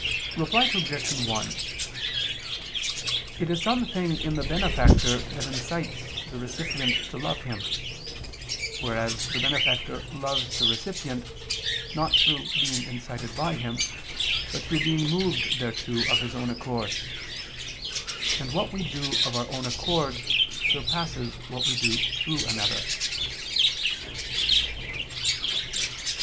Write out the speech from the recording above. Reply Obj. 1: It is some thing in the benefactor that incites the recipient to love him: whereas the benefactor loves the recipient, not through being incited by him, but through being moved thereto of his own accord: and what we do of our own accord surpasses what we do through another.